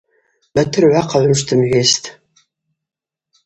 Батыр гӏвахъа-гӏвымш дымгӏвайстӏ.